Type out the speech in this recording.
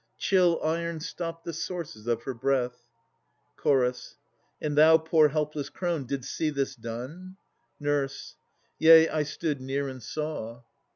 Chill iron stopped the sources of her breath. CH. And thou, poor helpless crone, didst see this done? NUR. Yea, I stood near and saw.